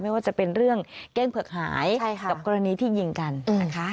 ไม่ว่าจะเป็นเรื่องเก้งเผือกหายกับกรณีที่ยิงกันนะคะ